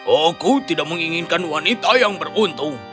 aku tidak menginginkan wanita yang beruntung